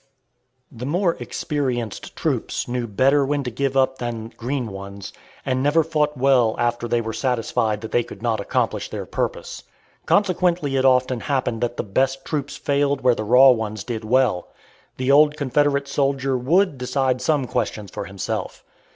The more experienced troops knew better when to give up than green ones, and never fought well after they were satisfied that they could not accomplish their purpose. Consequently it often happened that the best troops failed where the raw ones did well. The old Confederate soldier would decide some questions for himself.